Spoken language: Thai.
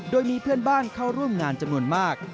โดยมีเพื่อนบ้านเข้าร่วมงานจำนวนมาก